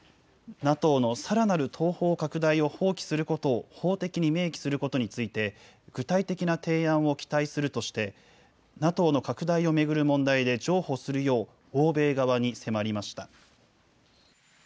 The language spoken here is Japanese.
ＮＡＴＯのさらなる東方拡大を放棄することを法的に明記することについて、具体的な提案を期待するとして、ＮＡＴＯの拡大を巡る問題で譲歩するよう欧米側に迫りました。